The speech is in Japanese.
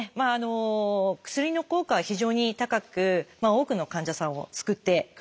薬の効果は非常に高く多くの患者さんを救ってくれている薬です。